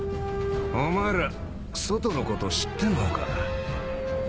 お前ら外のこと知ってんのか？